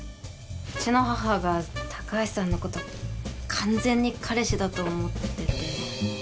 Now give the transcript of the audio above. うちの母が高橋さんのこと完全に彼氏だと思ってて。